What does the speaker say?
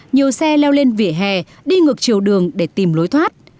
nhiều xe leo lên vỉa hè đi ngược chiều đường để tìm lối thoát